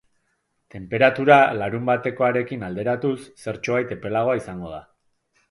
Tenperatura, larunbatekoarekin alderatuz, zertxobait epelagoa izango da.